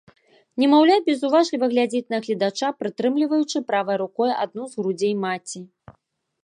Немаўля безуважліва глядзіць на гледача, прытрымліваючы правай рукой адну з грудзей маці.